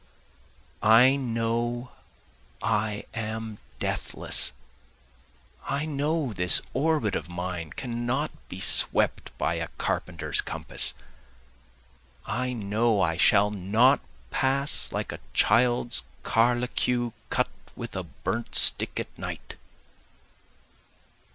I know I am deathless, I know this orbit of mine cannot be swept by a carpenter's compass, I know I shall not pass like a child's carlacue cut with a burnt stick at night.